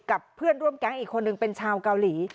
กับเพื่อนร่วมแก๊งอีกคนนึงเป็นชาวเกาหลี